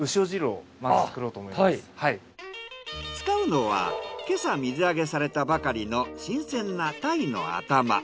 使うのは今朝水揚げされたばかりの新鮮なタイの頭。